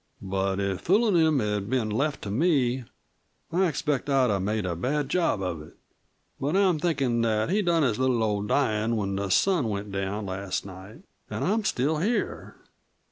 "But if foolin' him had been left to me I expect I'd have made a bad job of it. But I'm thinkin' that he done his little old dyin' when the sun went down last night. An' I'm still here.